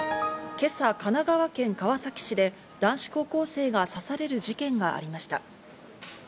今朝、神奈川県川崎市で男子高校生が刺される事件がありました。